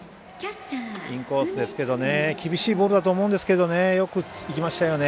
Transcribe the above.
インコースですけどね厳しいボールだと思いますけどよくいきましたよね。